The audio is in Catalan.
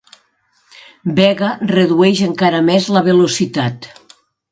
Vega redueix encara més la velocitat.